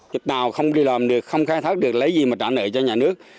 chức nào không đi làm được không khai thác được lấy gì mà trả nợ cho nhà nước